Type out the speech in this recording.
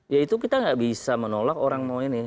ya itu kita nggak bisa menolak orang mau ini